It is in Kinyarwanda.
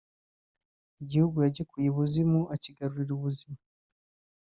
Igihugu yagikuye ibuzimu akigarura ibuzima